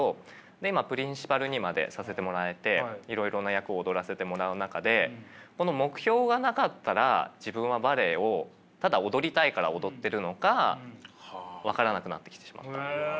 今プリンシパルにまでさせてもらえていろいろな役を踊らせてもらう中でこの目標がなかったら自分はバレエをただ踊りたいから踊ってるのか分からなくなってきてしまった。